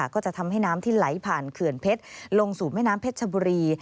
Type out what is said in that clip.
ก็จะทำให้น้ำที่ไหลผ่านเขื่อนเพชรลงสู่แม่น้ำเพชรชบุรี